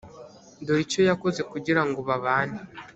dore icyo yakoze kugira ngo babane